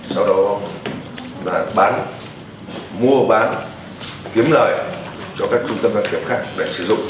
sau đó là bán mua bán kiếm lợi cho các trung tâm đăng kiểm khác để sử dụng